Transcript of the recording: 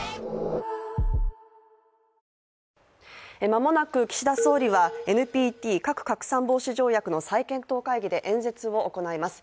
間もなく岸田総理はＮＰＴ＝核拡散防止条約の再検討会議で演説を行います。